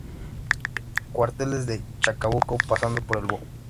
Cuarteles de Chacabuco pasando por el Bo.